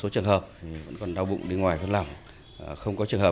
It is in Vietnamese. tiếp nối chương trình